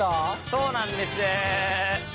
そうなんです。